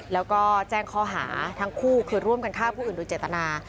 แล้วก็แจ้งข้อหาทั้งคู่คือร่วมกันฆ่าผู้อื่นโดยเจตนา